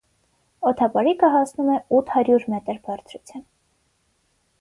Օդապարիկը հասնում է ութ հարյուր մետր բարձրության։